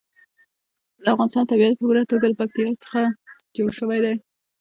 د افغانستان طبیعت په پوره توګه له پکتیکا څخه جوړ شوی دی.